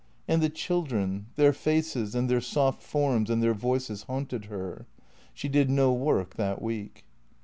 And the children, their faces and their soft forms and their voices haunted her. She did no work that week.